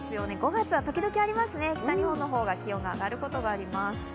５月は時々ありますね、北日本の方が気温が上がることがあります。